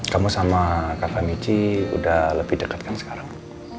kamu sama kakak michi udah lebih deket kan sekarang